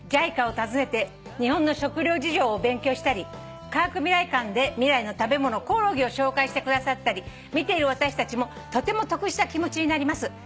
「ＪＩＣＡを訪ねて日本の食料事情を勉強したり科学未来館で未来の食べ物コオロギを紹介してくださったり見ている私たちもとても得した気持ちになります」